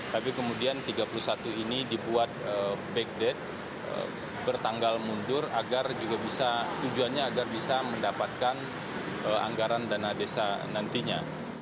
tapi kemudian tiga puluh satu ini dibuat backdate bertanggal mundur agar juga bisa tujuannya agar bisa mendapatkan anggaran dana desa nantinya